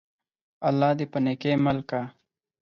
الله دي په نيکۍ مل که!